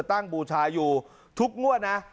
ตั้งบูชายูทุกงวดนะ